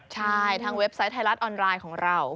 ใช่ทางเว็บไซต์ไทยรัฐออนไลน์ของเรา